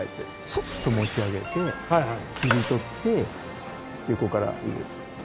ちょっと持ち上げて切り取って横から入れると。